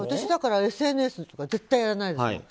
だから私はＳＮＳとか絶対やらない。